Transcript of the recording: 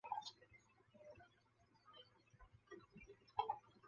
其升级后血红铁碎牙使出的风之伤可以用来破坏结界。